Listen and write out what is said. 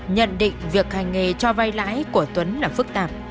nhận định việc hành nghề cho vay lãi của tuấn là phức tạp